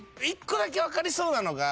１個だけ分かりそうなのが。